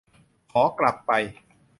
ขอกลับไป